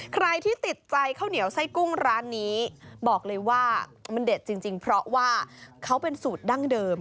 ใครที่ติดใจข้าวเหนียวไส้กุ้งร้านนี้บอกเลยว่ามันเด็ดจริงเพราะว่าเขาเป็นสูตรดั้งเดิม